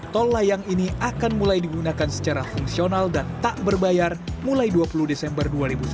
tol layang ini akan mulai digunakan secara fungsional dan tak berbayar mulai dua puluh desember dua ribu sembilan belas